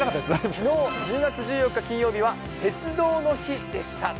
きのう、１０月１４日金曜日は、鉄道の日でした。